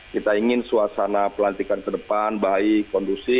kita ingin suasana pelantikan ke depan baik kondusif